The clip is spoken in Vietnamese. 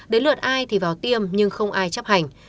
đến lượt ai thì vào tiêm nhưng không ai chấp hành